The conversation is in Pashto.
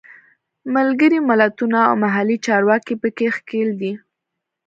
ملګري ملتونه او محلي چارواکي په کې ښکېل دي.